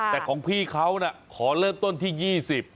แต่ของพี่เขาน่ะขอเริ่มต้นที่๒๐